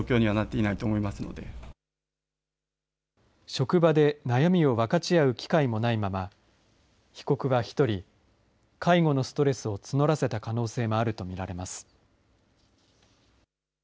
職場で悩みを分かち合う機会もないまま、被告は一人、介護のストレスを募らせた可能性もあると見られます。